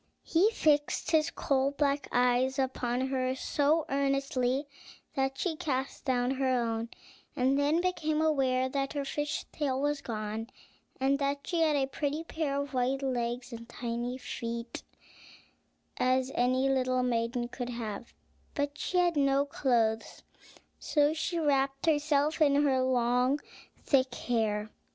He fixed his coal black eyes upon her so earnestly that she cast down her own, and then became aware that her fish's tail was gone, and that she had as pretty a pair of white legs and tiny feet as any little maiden could have; but she had no clothes, so she wrapped herself in her long, thick hair.